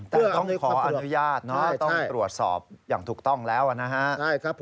แต่ก็ต้องขออนุญาตเนอะต้องกรับตรวจสอบอย่างถูกต้องแล้วอะเลยครับ